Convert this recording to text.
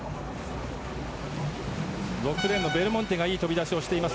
６レーンのベルモンテがいい飛び出しをしています。